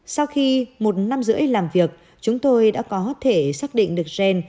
sau khi một năm rưỡi làm việc chúng tôi đã có thể xác định được gen